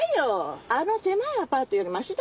あの狭いアパートよりマシだろ？